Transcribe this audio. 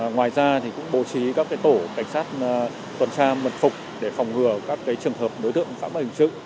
ngoài ra cũng bổ trí các tổ cảnh sát tuần tra mật phục để phòng ngừa các trường hợp đối tượng phá bản hình chữ